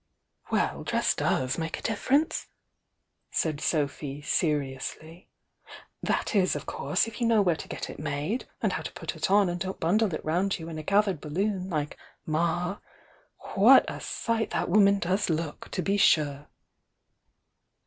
"Well, dress does make a difference," said Sophy seriously. "That is, of course, if you know where to get it made, and how to put it on, and don't bundle it round you in a gathered balloon like 'Ma!' What a sight that woman does look, to be sure!"